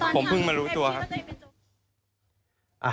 ผมเพิ่งมารู้ตัวครับ